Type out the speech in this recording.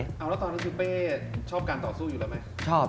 แล้วตอนนั้นคือเป้ชอบการต่อสู้อยู่แล้วไหม